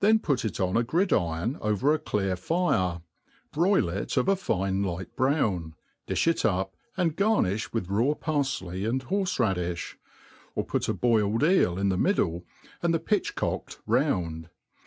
put it on a gridiron over a clear fire, broil it of a fine light , brown, di(b it up, and garnifh with raw parfley and horfe« raddiih ; or put a boiled eel in the middle, and the pitch* cocked round.